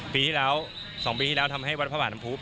ปีที่แล้วสองปีที่แล้วทำให้วัตถาภาพบาดฤาจนำภูกษ์